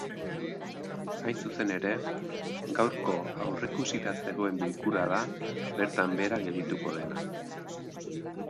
Hain zuzen ere, gaurko aurreikusita zegoen bilkura da bertan behera geldituko dena.